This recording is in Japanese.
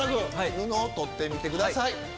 布を取ってみてください。